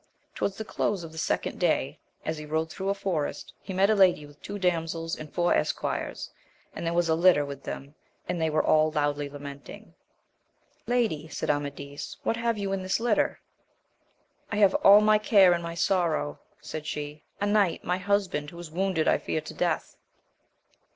Towards the close of the second day, as he rode thro' a forest, he met a lady with two damsels and four esquires, and there was a Utter with them, and they were all loudly lamenting. Lady, said Amadis, what have you in this litter ? I have all my care and my sorrow, said she ; a knight, my husband, who is wounded I fear to death.